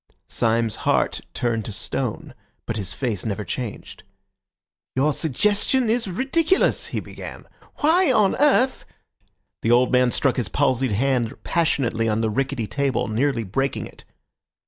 Syme's heart turned to stone, but his face never changed. "Your suggestion is ridiculous," he began. "Why on earth—" The old man struck his palsied hand passionately on the rickety table, nearly breaking it.